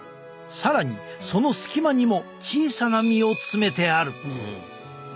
更にその隙間にも小さな身を詰めてある。